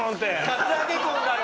カツアゲ婚だろ？